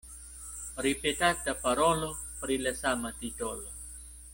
Ripetata parolo pri la sama titolo.